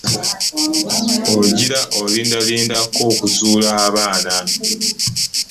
Ojila olindalindakookuzaala abaana .